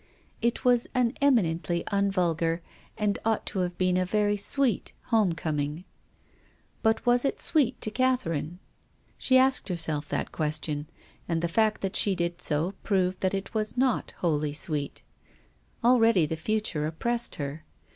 It was an eminently unvulgar, and ought to have been a very sweet, home coming. But was it sweet to Catherine ? She asked herself that question, and the fact that she did so proved that it was not wholly sweet. Already the future oppressed her.